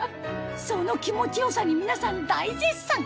その気持ち良さに皆さん大絶賛！